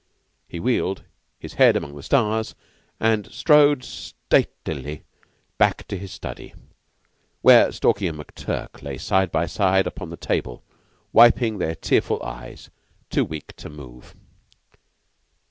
He wheeled, his head among the stars, and strode statelily back to his study, where Stalky and McTurk lay side by side upon the table wiping their tearful eyes too weak to move.